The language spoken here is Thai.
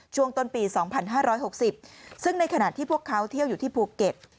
ช่วงต้นปี๒๕๖๐ซึ่งในขณะที่พวกเขาเที่ยวอยู่ที่ภูเก็ต